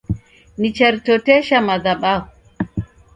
Nicharitotesha madhabahu